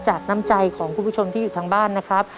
น้ำใจของคุณผู้ชมที่อยู่ทางบ้านนะครับ